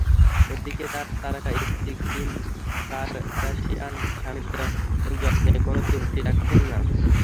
এদিকে তাঁর তারকা স্ত্রী, কিম কারদাশিয়ান স্বামীর যত্নে কোনো ত্রুটি রাখছেন না।